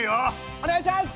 お願いします！